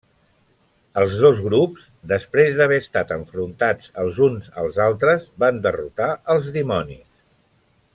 Els dos grups, després d'haver estat enfrontats els uns als altres, van derrotar als dimonis.